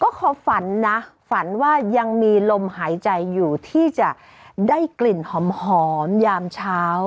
ก็ขอฝันนะฝันว่ายังมีลมหายใจอยู่ที่จะได้กลิ่นหอมยามเช้า